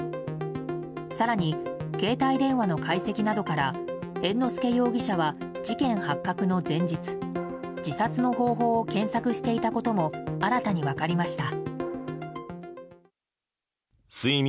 更に、携帯電話の解析などから猿之助容疑者は事件発覚の前日自殺の方法を検索していたことも新たに分かりました。